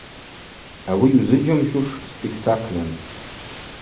Ауи йузыджьамщуш спектакльын.